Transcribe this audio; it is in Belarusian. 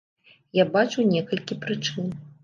Я бачу некалькі прычын.